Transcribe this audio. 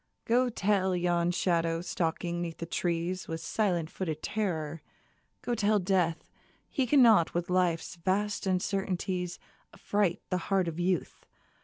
Go tell yon shadow stalking 'neath the trees With silent footed terror, go tell Death He cannot with Life's vast uncertainties Affright the heart of Youth